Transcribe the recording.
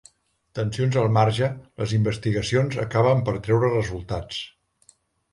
Tensions al marge, les investigacions acaben per treure resultats.